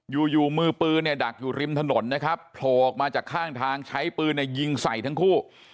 อยู่อยู่มือปืนเนี่ยดักอยู่ริมถนนนะครับโผล่ออกมาจากข้างทางใช้ปืนยิงใส่ทั้งคู่